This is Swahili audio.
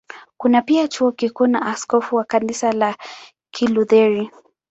Kuna pia Chuo Kikuu na askofu wa Kanisa la Kilutheri.